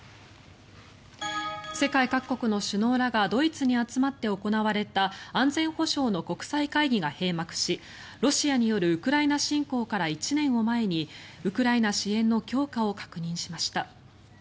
世界各国の首脳らがドイツに集まって行われた安全保障の国際会議が閉幕しロシアによるウクライナ侵攻から１年を前にウクライナ支援の強化を確認しました。